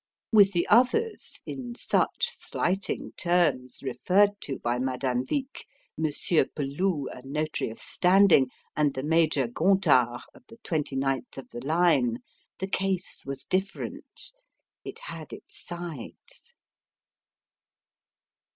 With the others, in such slighting terms referred to by Madame Vic Monsieur Peloux, a notary of standing, and the Major Gontard, of the Twenty ninth of the Line the case was different. It had its sides.